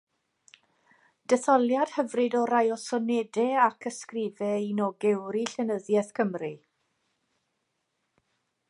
Detholiad hyfryd o rai o sonedau ac ysgrifau un o gewri llenyddiaeth Cymru.